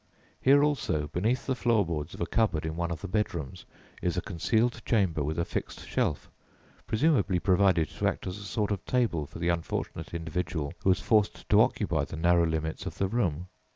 Here also, beneath the floor boards of a cupboard in one of the bedrooms, is a concealed chamber with a fixed shelf, presumably provided to act as a sort of table for the unfortunate individual who was forced to occupy the narrow limits of the room.